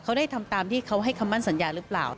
เขาได้ทำตามที่เขาให้คำมั่นสัญญาหรือเปล่า